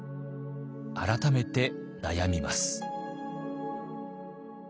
改めて悩みます。